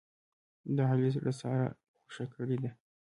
د علي زړه ساره خوښه کړې ده.